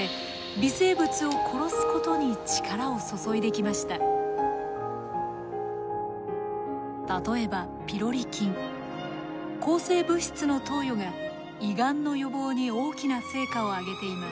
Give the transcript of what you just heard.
抗生物質の投与が胃がんの予防に大きな成果を上げています。